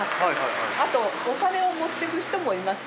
あとお金を持っていく人もいます。